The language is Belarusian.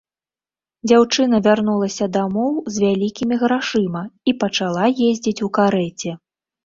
Дзяўчына вярнулася дамоў з вялікімі грашыма і пачала ездзіць у карэце.